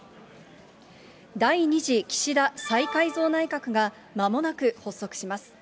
第２次岸田再改造内閣がまもなく発足します。